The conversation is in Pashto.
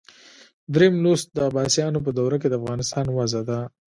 دریم لوست د عباسیانو په دوره کې د افغانستان وضع ده.